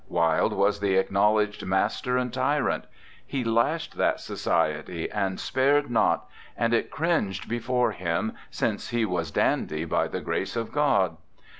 Wilde was the acknowledged master and tyrant; he lashed that society and spared not, and it cringed before him, since he was dandy by the grace of God.